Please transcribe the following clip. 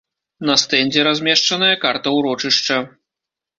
На стэндзе размешчаная карта ўрочышча.